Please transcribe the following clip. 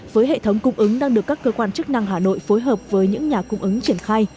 với hệ thống cung ứng đang được các cơ quan chức năng hà nội phối hợp với những nhà cung ứng triển khai